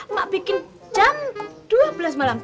emak bikin jam dua belas malam